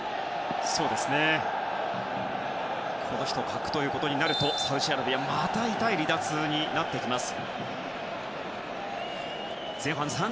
この人を欠くことになるとサウジアラビアはまた痛い離脱になってきます。